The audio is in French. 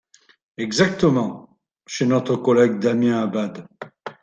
Exactement, chez notre collègue Damien Abad.